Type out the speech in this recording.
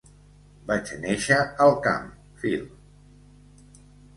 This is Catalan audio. Vaig néixer al camp, Phil.